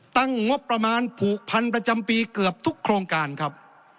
ตั้งงบประมาณผูกพันประจำปีเกือบทุกโครงการครับ